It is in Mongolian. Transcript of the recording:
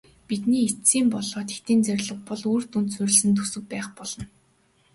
Бидний эцсийн болоод хэтийн зорилт бол үр дүнд суурилсан төсөв байх болно.